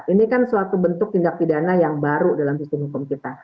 ini kan suatu bentuk tindak pidana yang baru dalam sistem hukum kita